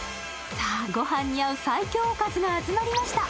さあ、御飯に合う最強おかずがそろいました。